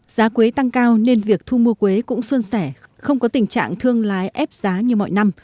giá quế tăng cao nên việc thu mua quế cũng xuân sẻ không có tình trạng thương lái ép giá như mọi năm